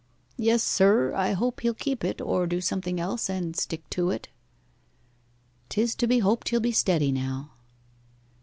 'Yes, sir. I hope he'll keep it, or do something else and stick to it.' ''Tis to be hoped he'll be steady now.